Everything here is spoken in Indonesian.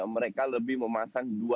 mereka lebih memasang dua dua